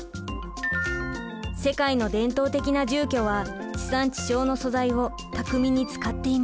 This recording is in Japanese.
世界の伝統的な住居は地産地消の素材を巧みに使っています。